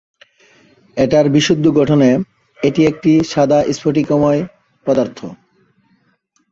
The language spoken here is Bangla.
এটার বিশুদ্ধ গঠনে এটি একটি সাদা স্ফটিকময় পদার্থ।